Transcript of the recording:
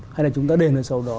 hay là chúng ta đề nợ xấu đó